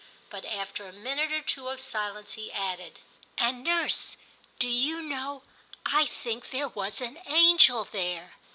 But after a minute or two of silence he added — *And, nurse, do you know, I think there was an angel there.